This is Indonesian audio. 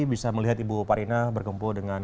bisa melihat ibu farina bergempur dengan